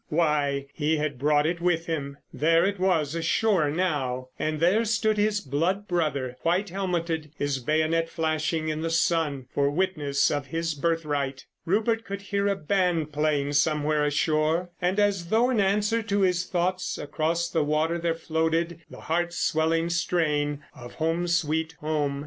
Why, he had brought it with him. There it was ashore now, and there stood his blood brother, white helmeted, his bayonet flashing in the sun for witness of his birthright. Rupert could hear a band playing somewhere ashore, and as though in answer to his thoughts across the water there floated the heart swelling strain of "Home, Sweet Home."